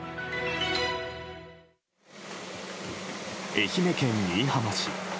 愛媛県新居浜市。